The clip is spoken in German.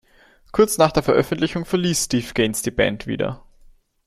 Kurz nach der Veröffentlichung verließ Steve Gaines die Band wieder.